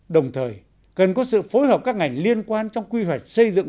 đồng thời cần có sự phối hợp các ngành liên quan trong quy hoạch xây dựng